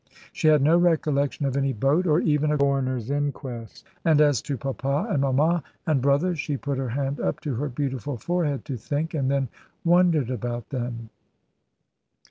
She had no recollection of any boat, or even a Coroner's inquest; and as to papa, and mama, and brother she put her hand up to her beautiful forehead, to think, and then wondered about them.